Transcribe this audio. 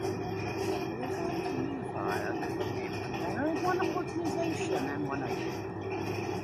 They resolved to unify under one name, one banner, one organization and one ideal.